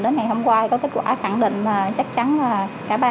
đến ngày hôm qua có kết quả khẳng định mà chắc chắn là